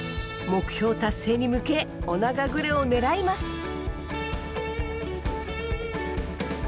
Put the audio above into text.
目標達成に向けオナガグレを狙います。